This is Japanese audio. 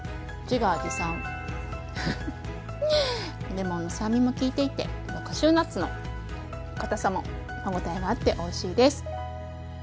レモンの酸味も利いていてカシューナッツのかたさも歯応えがあっておいしいです。